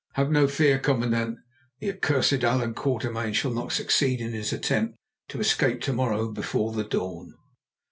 Have no fear, commandant, the accursed Allan Quatermain shall not succeed in his attempt to escape to morrow before the dawn."